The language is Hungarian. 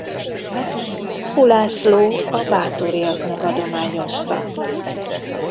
Ulászló a Báthoriaknak adományozta.